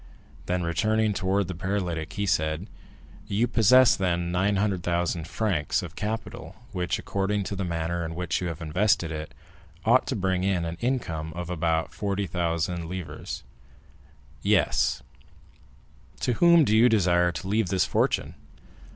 Then, turning towards the paralytic, he said, "You possess, then, 900,000 francs of capital, which, according to the manner in which you have invested it, ought to bring in an income of about 40,000 livres?" "Yes." "To whom do you desire to leave this fortune?"